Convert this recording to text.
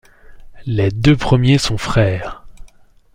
Les deux premiers sont frères.